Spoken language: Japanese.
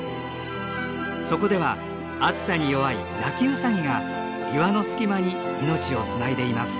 そこでは暑さに弱いナキウサギが岩の隙間に命をつないでいます。